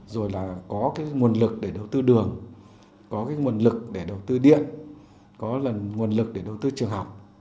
rồi là có cái nguồn lực để đầu tư đường có cái nguồn lực để đầu tư điện có là nguồn lực để đầu tư trường học